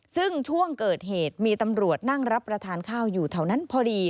ซึ่งช่วงเกิดเหตุมีตำรวจนั่งรับประทานข้าวอยู่แถวนั้นพอดี